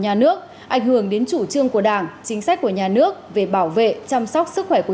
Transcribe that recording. nhà nước ảnh hưởng đến chủ trương của đảng chính sách của nhà nước về bảo vệ chăm sóc sức khỏe của